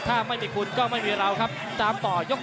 ถ้าไม่มีคุณก็ไม่มีเราครับตามต่อยก